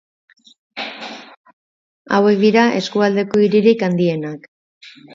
Hauek dira eskualdeko hiririk handienak.